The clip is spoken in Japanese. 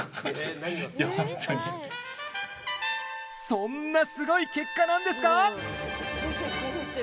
そんなすごい結果なんですか？